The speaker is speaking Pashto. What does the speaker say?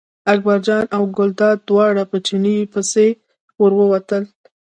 اکبرجان او ګلداد دواړه په چیني پسې ور ووتل.